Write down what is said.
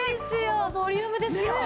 このボリュームですよ。